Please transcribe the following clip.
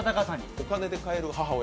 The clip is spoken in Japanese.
お金で買える母親？